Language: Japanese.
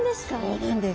そうなんです。